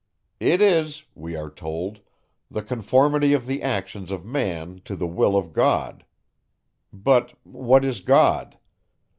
It is, we are told, the conformity of the actions of man to the will of God. But, what is God?